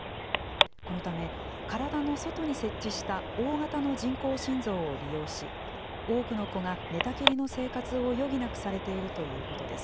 このため、体の外に設置した大型の人工心臓を利用し、多くの子が寝たきりの生活を余儀なくされているということです。